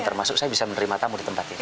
termasuk saya bisa menerima tamu di tempat ini